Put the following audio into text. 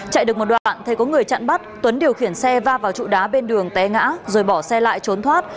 chạy được một đoạn thấy có người chặn bắt tuấn điều khiển xe va vào trụ đá bên đường té ngã rồi bỏ xe lại trốn thoát